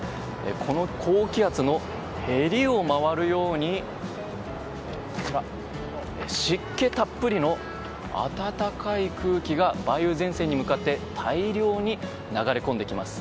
この高気圧のへりを回るように湿気たっぷりの暖かい空気が梅雨前線に向かって大量に流れ込んできます。